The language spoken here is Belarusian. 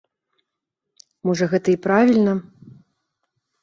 Можа гэта і правільна.